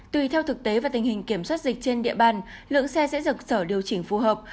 tùy theo thực tế và tình hình kiểm soát dịch trên địa bàn lượng xe sẽ được sở điều chỉnh phù hợp